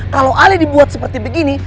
kalau alih dibuat seperti begini